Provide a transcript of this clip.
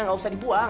gak usah dibuang